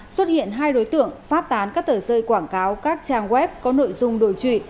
xuất hiện hai đối tượng phát tán các tờ rơi quảng cáo các trang web có nội dung đổi trụy